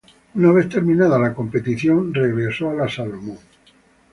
Una vez terminada la competencia, regresó al Solomon.